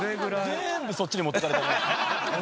全部そっちに持っていかれた。